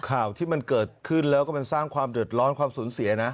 ข่าวที่มันเกิดขึ้นแล้วก็มันสร้างความเดือดร้อนความสูญเสียนะ